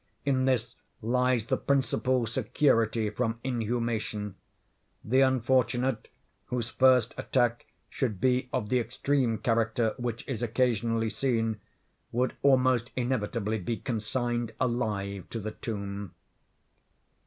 In this lies the principal security from inhumation. The unfortunate whose first attack should be of the extreme character which is occasionally seen, would almost inevitably be consigned alive to the tomb.